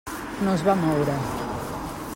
No es va moure.